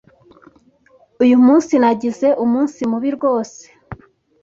Uyu munsi nagize umunsi mubi rwose.